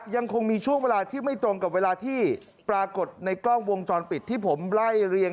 ยังคงมีช่วงเวลาที่ไม่ตรงกับเวลาที่ปรากฏในกล้องวงจรปิดที่ผมไล่เรียง